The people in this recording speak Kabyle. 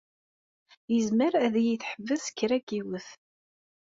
Izmer ad yi-d-teḥbes kra n yiwet.